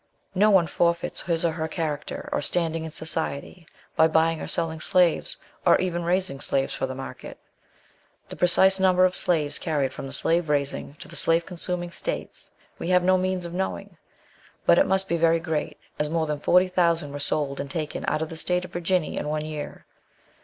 No one forfeits his or her character or standing in society, by buying or selling slaves; or even raising slaves for the market. The precise number of slaves carried from the slave raising to the slave consuming states, we have no means of knowing. But it must be very great, as more than forty thousand were sold and taken out of the state of Virginia in one year.